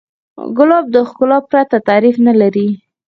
ګلاب د ښکلا پرته تعریف نه لري.